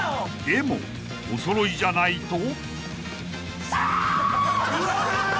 ［でもおそろいじゃないと］